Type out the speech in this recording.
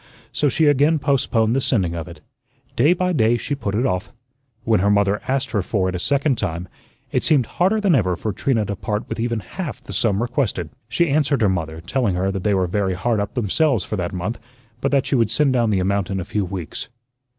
So she again postponed the sending of it. Day by day she put it off. When her mother asked her for it a second time, it seemed harder than ever for Trina to part with even half the sum requested. She answered her mother, telling her that they were very hard up themselves for that month, but that she would send down the amount in a few weeks.